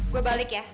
gue balik ya